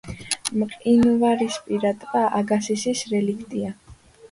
მყინვარისპირა ტბა აგასისის რელიქტია.